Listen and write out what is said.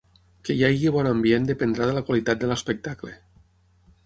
Que hi hagi bon ambient dependrà de la qualitat de l'espectacle.